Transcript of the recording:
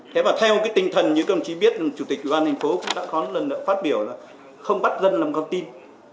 thế và theo cái tinh thần như các bạn chỉ biết là chủ tịch quan hệ phố đã có lần đã phát biểu là không bắt dân làm con tin